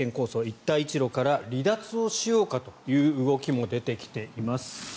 一帯一路から離脱をしようかという動きも出てきています。